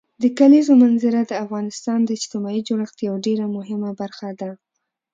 د کلیزو منظره د افغانستان د اجتماعي جوړښت یوه ډېره مهمه برخه ده.